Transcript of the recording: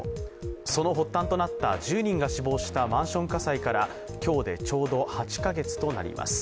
その発端となった１０人が死亡したマンション火災から今日でちょうど８か月となります。